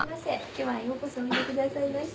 今日はようこそおいでくださいました。